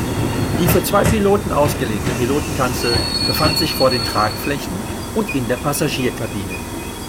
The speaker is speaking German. Die für zwei Piloten ausgelegte Pilotenkanzel befand sich vor den Tragflächen und der Passagierkabine.